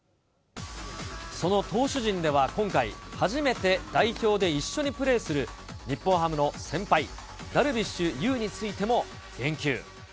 その投手陣では今回、初めて代表で一緒にプレーする、日本ハムの先輩、ダルビッシュ有についても言及。